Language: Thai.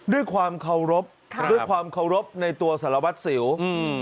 ด้วยความเคารพด้วยความเคารพในตัวสารวัติศิลป์